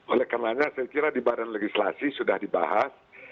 oleh karenanya saya kira di badan legislasi sudah dibahas